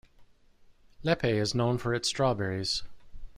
Lepe is known for its strawberries.